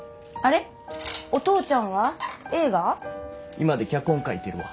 居間で脚本書いてるわ。